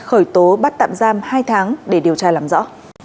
khởi tố bắt tạm giam hai tháng để điều tra làm rõ